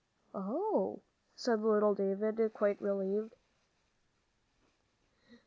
"Oh," said little David, quite relieved.